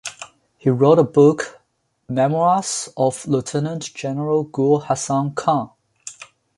He wrote a book "Memoirs of Lieutenant General Gul Hassan Khan".